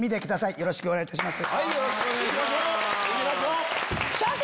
よろしくお願いします。